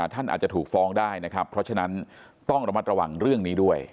ท่านอาจจะถูกฟ้องได้นะครับเพราะฉะนั้นต้องระมัดระวังเรื่องนี้ด้วย